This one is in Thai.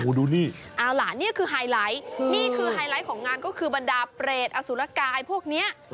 ดูนี่เอาล่ะนี่คือไฮไลท์นี่คือไฮไลท์ของงานก็คือบรรดาเปรตอสุรกายพวกนี้